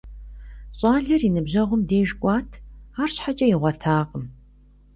ЩӀалэр и ныбжьэгъум деж кӀуат, арщхьэкӀэ игъуэтакъым.